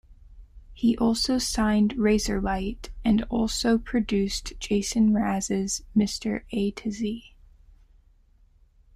He also signed Razorlight, and also produced Jason Mraz's "Mr. A-Z".